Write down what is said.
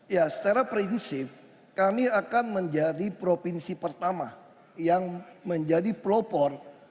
ya secara prinsip kami akan menjadi provinsi pertama yang menjadi pelopor